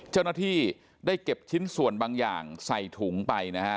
เจ้าหน้าที่ได้เก็บชิ้นส่วนบางอย่างใส่ถุงไปนะฮะ